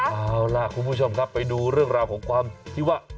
เอาล่ะคุณผู้ชมครับไปดูเรื่องราวของความที่ว่า